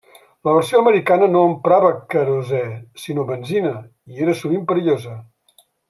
La versió americana no emprava querosè sinó benzina, i era sovint perillosa.